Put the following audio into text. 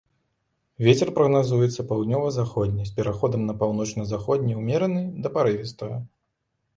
Вецер прагназуецца паўднёва-заходні з пераходам на паўночна-заходні ўмераны да парывістага.